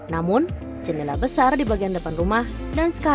namun jendela besar di bagian depan rumah dan sekarang